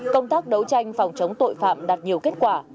công tác đấu tranh phòng chống tội phạm đạt nhiều kết quả